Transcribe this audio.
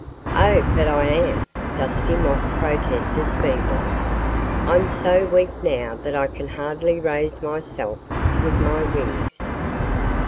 "Oh, but I am!" Dusty Moth protested feebly. "I'm so weak now that I can hardly raise myself with my wings."